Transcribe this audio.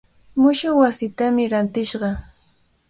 Mushuq wasitami rantishqa.